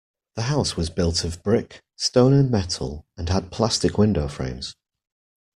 The house was built of brick, stone and metal, and had plastic window frames.